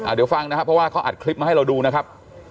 เดี๋ยวฟังนะครับเพราะว่าเขาอัดคลิปมาให้เราดูนะครับ